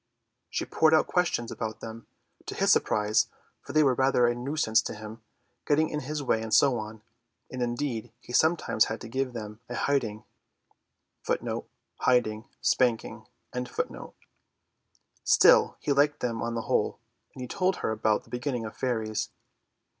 She poured out questions about them, to his surprise, for they were rather a nuisance to him, getting in his way and so on, and indeed he sometimes had to give them a hiding. Still, he liked them on the whole, and he told her about the beginning of fairies.